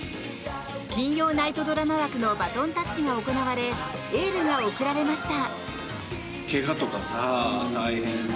金曜ナイトドラマ枠のバトンタッチが行われエールが送られました。